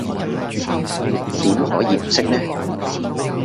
點可以唔識呢？